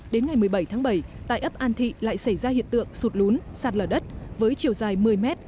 đến ngày một mươi bảy tháng bảy tại ấp an thị lại xảy ra hiện tượng sụt lún sạt lở đất với chiều dài một mươi mét